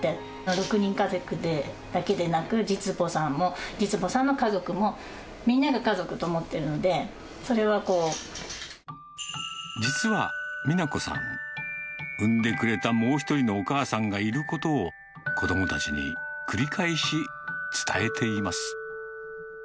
６人家族だけでなく、実母さんも、実母さんの家族も、みんなが家族実は、美名子さん、産んでくれたもう一人のお母さんがいることを、子どもたちに繰り返し伝えています。